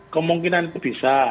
kemungkinan itu bisa